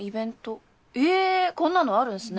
えこんなのあるんすね。